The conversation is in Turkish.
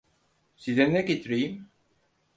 Size ne getireyim?